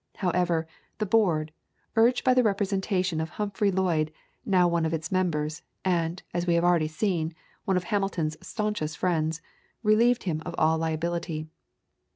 However, the board, urged by the representation of Humphrey Lloyd, now one of its members, and, as we have already seen, one of Hamilton's staunchest friends, relieved him of all liability.